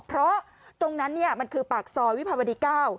เพราะตรงนั้นมันคือปากซอยวิภาวดี๙